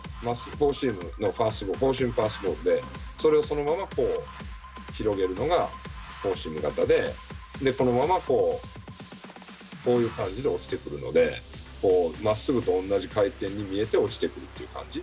フォーシームのファストボール、フォーシームファストボールで、それをそのまま広げるのがフォーシーム型で、このままこう、こういう感じで落ちてくるので、まっすぐと同じ回転に見えて落ちてくるっていう感じ。